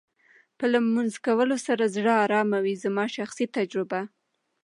په لمونځ کولو سره زړه ارامه وې زما شخصي تجربه